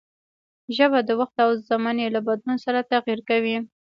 ژبه د وخت او زمانې له بدلون سره تغير کوي.